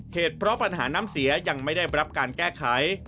เหตุเพราะปัญหาน้ำเสียยังไม่ได้รับการแก้ไข